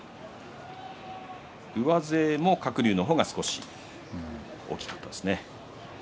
上背も鶴竜の方が少し大きかったですね。